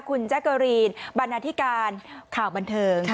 คุณแจ๊กเกอรีนบรรณาธิการข่าวบันเทิง